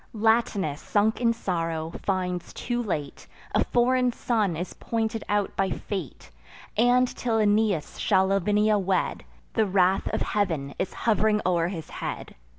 Latinus, sunk in sorrow, finds too late, A foreign son is pointed out by fate; And, till Aeneas shall Lavinia wed, The wrath of Heav'n is hov'ring o'er his head.